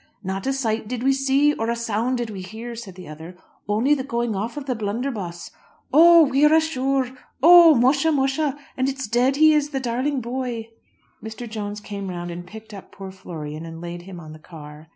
"Not a sight did we see, or a sound did we hear," said the other, "only the going off of the blunderbuss. Oh, wirra shure! oh, musha, musha! and it's dead he is, the darling boy." Mr. Jones came round and picked up poor Florian and laid him on the car.